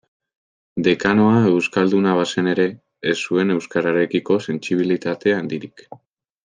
Dekanoa euskalduna bazen ere, ez zuen euskararekiko sentsibilitate handirik.